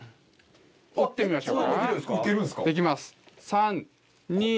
打ってみましょうか。